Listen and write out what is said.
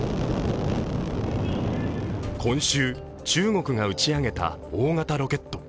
今週、中国が打ち上げた大型ロケット。